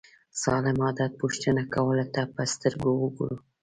سالم عادت پوښتنه کولو ته په سترګه وګورو.